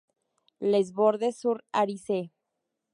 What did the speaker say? Les Bordes-sur-Arize